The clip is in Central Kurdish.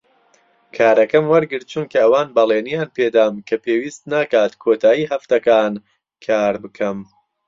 کارەکەم وەرگرت چونکە ئەوان بەڵێنیان پێ دام کە پێویست ناکات کۆتایی هەفتەکان کار بکەم.